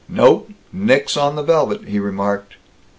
"Nope. Nix on the velvet," he remarked.